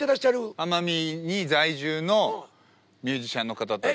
奄美に在住のミュージシャンの方たち。